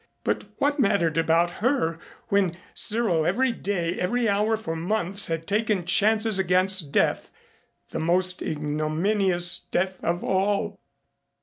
But what mattered about her when Cyril every day, every hour for months had taken chances against death, the most ignominious death of all!